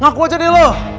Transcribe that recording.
ngaku aja deh lu